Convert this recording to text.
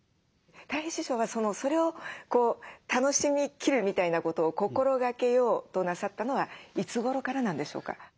たい平師匠はそれを楽しみきるみたいなことを心がけようとなさったのはいつごろからなんでしょうか？